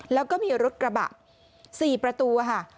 แล้วก็มีรถกระบะ๔ประตูค่ะ